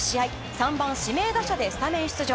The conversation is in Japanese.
３番指名打者でスタメン出場。